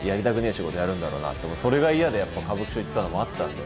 仕事やるんだろうなってそれが嫌でやっぱ歌舞伎町行ったのもあったんで。